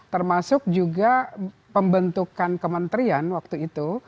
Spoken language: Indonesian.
termasuk juga pembentukan kementerian waktu itu